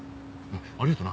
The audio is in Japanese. ありがとな。